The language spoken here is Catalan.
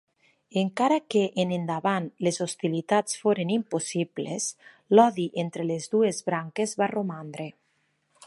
Encara que en endavant les hostilitats foren impossibles, l'odi entre les dues branques va romandre.